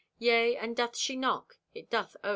Yea, and doth she knock, it doth ope.